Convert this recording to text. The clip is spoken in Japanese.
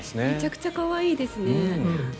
めちゃくちゃ可愛いですね。